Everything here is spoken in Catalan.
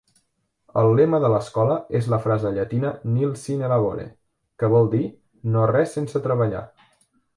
El lema de l'escola és la frase llatina "Nil Sine Labore", que vol dir "no-res sense treballar ".